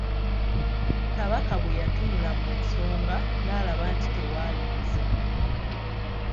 Kabaka bwe yatunula mu nsonga n'alaba nti tewaalibuzibu.